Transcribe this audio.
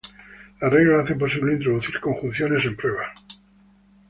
La regla hace posible introducir conjunciones en pruebas.